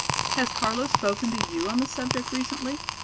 Has Carlo spoken to you on the subject recently?